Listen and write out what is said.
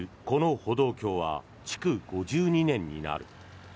この歩道橋は築５２年になる。